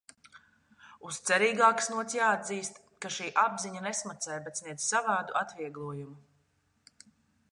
Uz cerīgākas nots jāatzīst, ka šī apziņa nesmacē, bet sniedz savādu atvieglojumu.